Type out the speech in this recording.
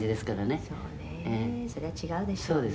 「そうねそれは違うでしょうね」